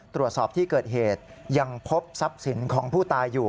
ตรวจสอบที่เกิดเหตุยังพบทรัพย์สินของผู้ตายอยู่